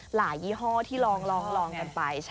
ยี่ห้อที่ลองกันไป